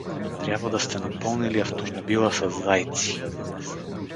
Трябва да сте напълнили автомобила със зайци.